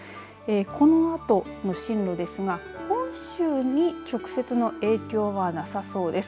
このあとの進路ですが本州に直接の影響はなさそうです。